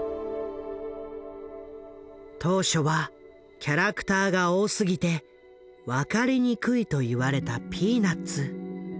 当初はキャラクターが多すぎて分かりにくいと言われた「ピーナッツ」。